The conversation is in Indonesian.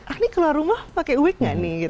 ah ini keluar rumah pakai week nggak nih